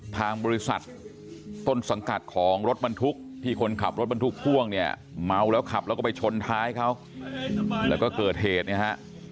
ทางบริษัทต้นสังกัดของรถบรรทุกที่คนขับรถบรรทุกพ่วงเนี่ยเมาแล้วขับแล้วก็ไปชนท้ายเขาแล้วก็เกิดเหตุเนี่ยฮะ